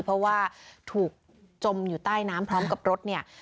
เพราะว่าถูกจมอยู่ใต้น้ำพร้อมกับรถเนี่ย